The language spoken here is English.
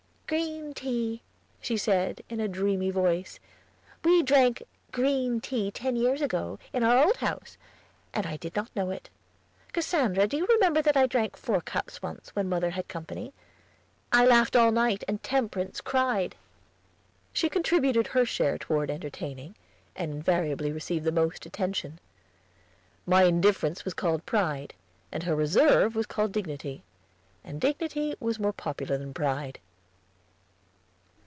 "Green tea," she said, in a dreamy voice. "We drank green tea ten years ago, in our old house; and I did not know it! Cassandra, do you remember that I drank four cups once, when mother had company? I laughed all night, and Temperance cried." She contributed her share toward entertaining, and invariably received the most attention. My indifference was called pride, and her reserve was called dignity, and dignity was more popular than pride.